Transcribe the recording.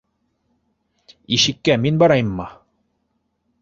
Ишеккә мин барайыммы?